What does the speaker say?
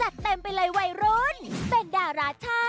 เจ้าแจ๊กริมจอ